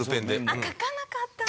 あっ書かなかった！